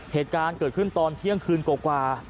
เหตุการณ์เกิดขึ้นตอนเที่ยงคืนกว่า